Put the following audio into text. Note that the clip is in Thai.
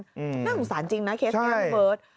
น่าสงสารจริงนะเคสนี้พี่เบิร์ต